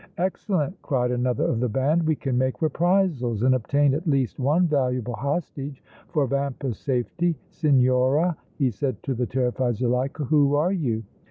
"Excellent!" cried another of the band. "We can make reprisals and obtain at least one valuable hostage for Vampa's safety! Signora," he said to the terrified Zuleika, "who are you?"